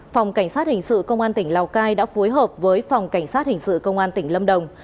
phòng cảnh sát hình sự công an tỉnh lào cai đã phối hợp với phòng cảnh sát hình sự công an tỉnh lâm đồng